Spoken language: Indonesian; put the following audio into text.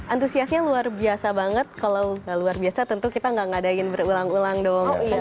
antusiasnya luar biasa banget kalau nggak luar biasa tentu kita nggak ngadain berulang ulang dong